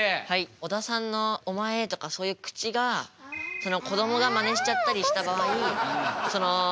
小田さんの「お前」とかそういう口がこどもがマネしちゃったりした場合わるい。